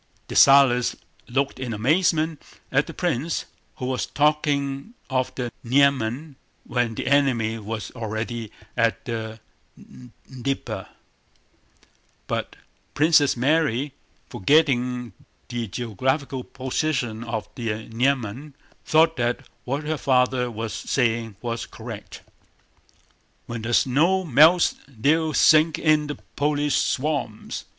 Dessalles looked in amazement at the prince, who was talking of the Niemen when the enemy was already at the Dnieper, but Princess Mary, forgetting the geographical position of the Niemen, thought that what her father was saying was correct. "When the snow melts they'll sink in the Polish swamps.